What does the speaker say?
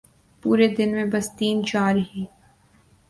پورے دن میں بس تین چار ہی ۔